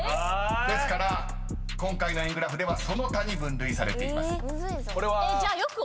ですから今回の円グラフではその他に分類されています］